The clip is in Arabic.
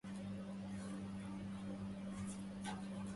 زاد وجدي واصطباري ذهبا